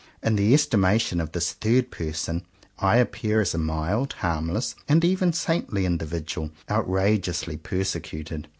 In the estimation of this third person I appear as a mild, harmless, and even saintly individual, outrageously persecuted.